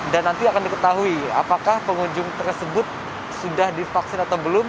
nanti akan diketahui apakah pengunjung tersebut sudah divaksin atau belum